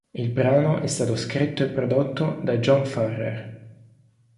Il brano è stato scritto e prodotto da John Farrar.